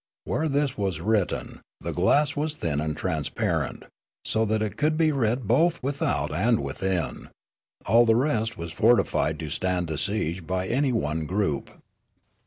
Where this was written, the glass was thin and transparent, so that it could be read both without and within ; all the rest was fortified to stand a siege by any one group.